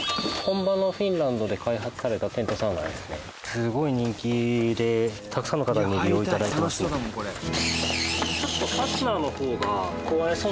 すごい人気でたくさんの方に利用頂いてますので。